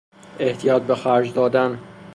احتیاط بخرج دادن